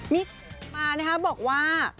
มีมานะครับบอกว่า